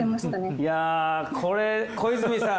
いやこれ小泉さん